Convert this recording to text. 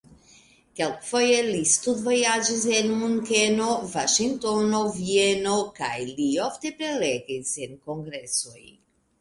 Kelkfoje li studvojaĝis en Munkeno, Vaŝingtonio, Vieno kaj li ofte prelegis en kongresoj.